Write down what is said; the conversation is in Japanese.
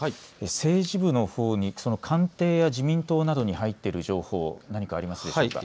政治部のほうに官邸や自民党などに入っている情報、何かありますか。